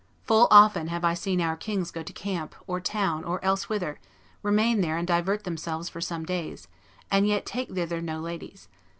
Full often have I seen our kings go to camp, or town, or elsewhither, remain there and divert themselves for some days, and yet take thither no ladies.